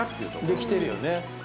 できてるよね。